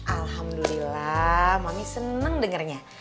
alhamdulillah mami seneng dengernya